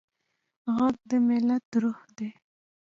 غږ د ملت روح دی